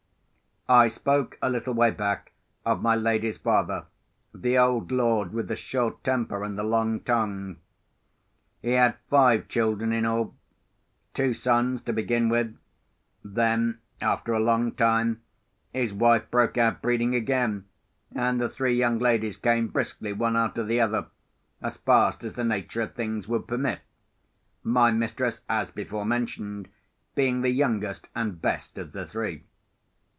I spoke, a little way back, of my lady's father, the old lord with the short temper and the long tongue. He had five children in all. Two sons to begin with; then, after a long time, his wife broke out breeding again, and the three young ladies came briskly one after the other, as fast as the nature of things would permit; my mistress, as before mentioned, being the youngest and best of the three.